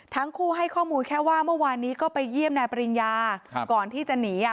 ทั้งคู่ให้ข้อมูลแค่ว่าเมื่อวานนี้ก็ไปเยี่ยมนายปริญญาครับก่อนที่จะหนีอ่ะ